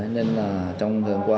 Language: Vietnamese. nên là trong thời gian qua